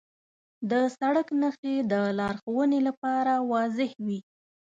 د سړک نښې د لارښوونې لپاره واضح وي.